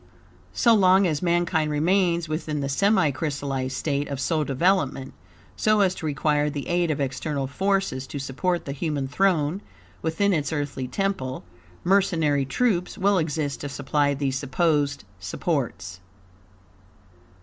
So long as mankind remain within the semicrystallized state of soul development, so as to require the aid of external forces to support the human throne within its earthly temple, mercenary troops will exist to supply these supposed supports.